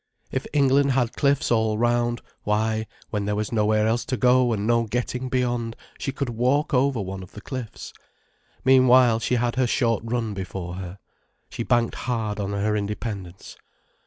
If England had cliffs all round—why, when there was nowhere else to go and no getting beyond, she could walk over one of the cliffs. Meanwhile, she had her short run before her. She banked hard on her independence.